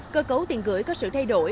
cơ cấu tiền gửi có sự thay đổi